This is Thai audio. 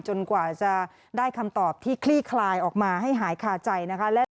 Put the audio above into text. กว่าจะได้คำตอบที่คลี่คลายออกมาให้หายคาใจนะคะ